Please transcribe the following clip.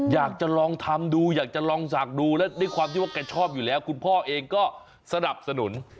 อยากจะลองทำดูอยากจะลองศักดิ์ดูแล้วด้วยความที่ว่าแกชอบอยู่แล้วคุณพ่อเองก็สนับสนุน